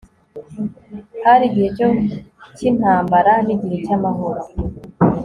hari igihe cyo cy'intambara, n'igihe cy'amahoro